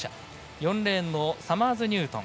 ４レーンのサマーズニュートン